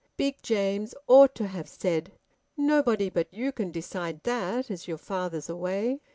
Big James ought to have said: "Nobody but you can decide that, as your father's away."